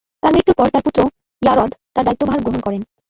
তার মৃত্যুর পর তাঁর পুত্র য়ারদ তার দায়িত্বভার গ্রহণ করেন।